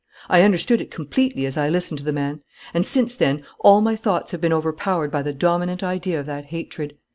I understood it completely as I listened to the man; and, since then, all my thoughts have been overpowered by the dominant idea of that hatred.